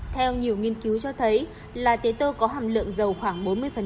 theo nhiều nghiên cứu cho thấy là tế tô có hàm lượng dầu khoảng bốn mươi